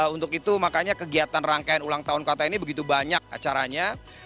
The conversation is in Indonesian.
untuk itu makanya kegiatan rangkaian ulang tahun kota ini begitu banyak acaranya